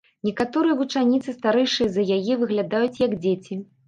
Некаторыя вучаніцы, старэйшыя за яе, выглядаюць, як дзеці.